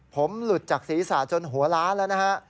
ผมหลุดจากศีรษะจนหัวล้านแล้วนะฮะ